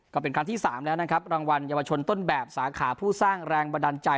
ก็เป็นครั้งที่๓แล้วนะครับรางวัลเยาวชนต้นแบบสาขาผู้สร้างแรงบันดาลใจ